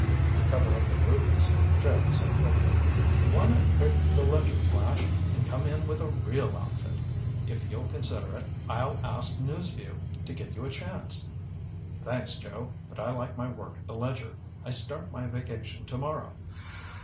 To cover up the rudeness, Joe said quickly: "Why not quit the Ledger, Flash, and come in with a real outfit? If you'll consider it I'll ask News Vue to give you a chance." "Thanks, Joe, but I like my work at the Ledger. I start my vacation tomorrow."